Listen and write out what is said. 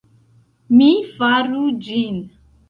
Mi faru ĝin.